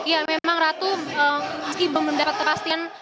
ya memang ratu meski belum mendapat kepastian